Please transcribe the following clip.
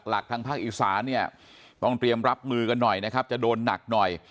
ทางภาคอีสานเนี่ยต้องเตรียมรับมือกันหน่อยนะครับจะโดนหนักหน่อย